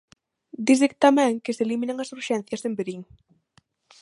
Dise tamén que se eliminan as Urxencias en Verín.